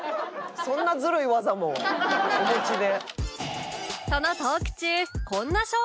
そんなズルい技もお持ちで。